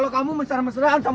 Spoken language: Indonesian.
aku tuh kecewa sama kamu